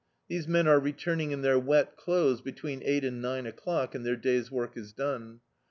These men arc returning in their wet clothes between ei^t and nine o'clock and their day's work is done.